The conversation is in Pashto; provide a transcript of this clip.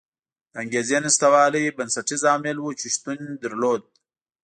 د انګېزې نشتوالی بنسټیز عامل و چې شتون درلود.